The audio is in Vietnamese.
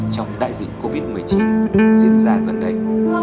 trong đại dịch covid một mươi chín diễn ra gần đây